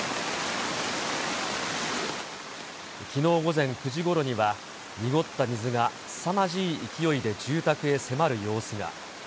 きのう午前９時ごろには、濁った水がすさまじい勢いで住宅へ迫る様子が。